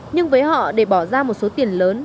nhưng với họ để bỏ ra một số tiền lớn